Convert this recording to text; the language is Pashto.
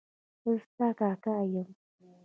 زه ستا کاکا یم.